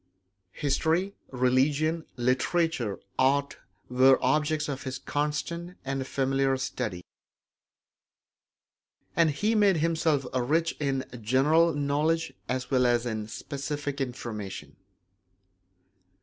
History, religion, literature, art were objects of his constant and familiar study; and he made himself rich in general knowledge as well as in specific information.